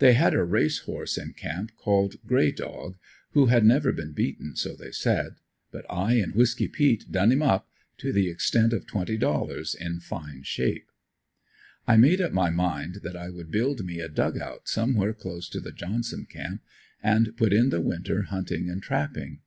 They had a race horse in camp called "Gray dog," who had never been beaten, so they said, but I and Whisky peat done him up, to the extent of twenty dollars, in fine shape. I made up my mind that I would build me a "dug out" somewhere close to the Johnson camp and put in the winter hunting and trapping.